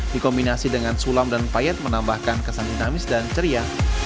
dikombinasi dengan sulam dan payet menambahkan kesan dinamis dan ceria